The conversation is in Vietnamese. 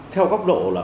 theo góc độ là không được